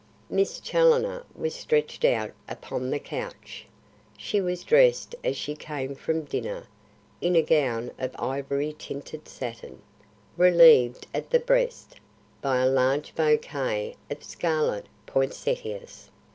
Miss Challoner was stretched out upon the couch. She was dressed as she came from dinner, in a gown of ivory tinted satin, relieved at the breast by a large bouquet of scarlet poinsettias.